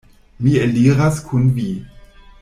Mi eliras kun vi.